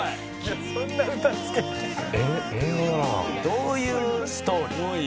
「どういうストーリー？」